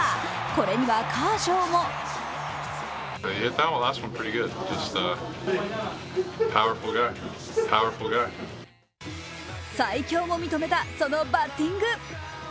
これにはカーショーも最強も認めたそのバッティング。